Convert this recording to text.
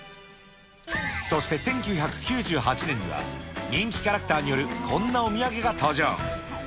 そして１９９８年には、人気キャラクターによるこんなお土産が登場。